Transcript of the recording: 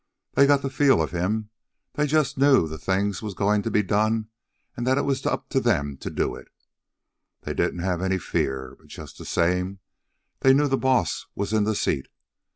They got the feel of him. They just knew the thing was going to be done and that it was up to them to do it. They didn't have any fear, but just the same they knew the boss was in the seat.